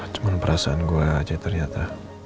cuma perasaan gue aja ternyata